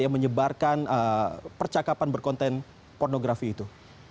yang menyebarkan percakapan berkonten pornografi itu